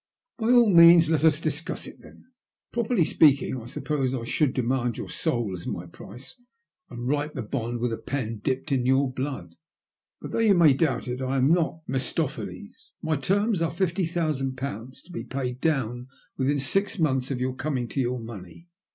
*'By all means let as discuss it then. Properly speaking, I suppose I should demand your soul as my price, and write the bond with a pen dipped in your blood. But, though you may doubt it, I am not Mephistopheles. My terms are fifty thousand pounds, to be paid down within six months of your coming in to your money.